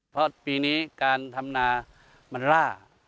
เพราะปีนี้การทำนามันล่า